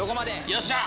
よっしゃ！